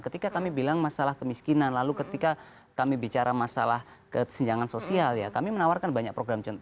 ketika kami bilang masalah kemiskinan lalu ketika kami bicara masalah kesenjangan sosial ya kami menawarkan banyak program